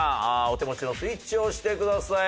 お手持ちのスイッチを押してください。